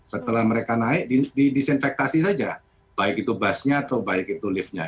setelah mereka naik didisinfektasi saja baik itu busnya atau baik itu liftnya